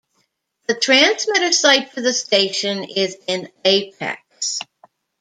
The transmitter site for the station is in Apex.